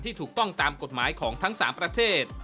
ถูกต้องตามกฎหมายของทั้ง๓ประเทศ